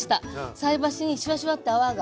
菜箸にシュワシュワって泡が。